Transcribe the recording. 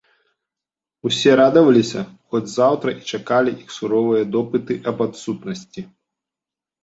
Усе радаваліся, хоць заўтра і чакалі іх суровыя допыты аб адсутнасці.